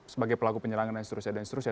sebagai pelaku penyerangan dan seterusnya